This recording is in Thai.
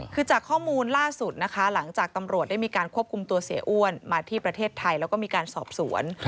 คือจากข้อมูลล่าสุดนะคะหลังจากตำรวจได้มีการควบคุมตัวเสียอ้วนมาที่ประเทศไทยแล้วก็มีการสอบสวน